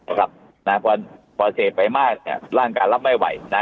นะครับนะครับพอเสพไปมากอ่ะร่างการรับไม่ไหวนะ